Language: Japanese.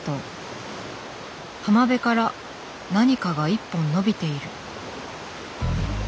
浜辺から何かが一本のびている。